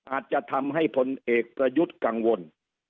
อาจจะทำให้พลเอกประยุทธ์กังวล